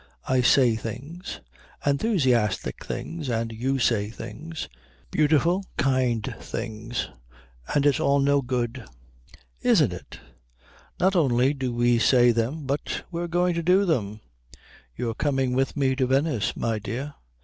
"I say things enthusiastic things, and you say things beautiful kind things, and it's all no good." "Isn't it? Not only do we say them but we're going to do them. You're coming with me to Venice, my dear.